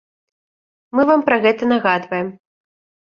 Мы вам пра гэта нагадваем.